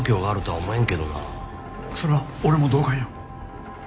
それは俺も同感や。